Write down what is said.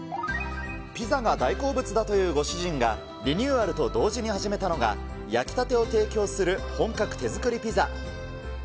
ピザが大好物だというご主人が、リニューアルと同時に始めたのが、焼きたてを提供する本格手作りピザ。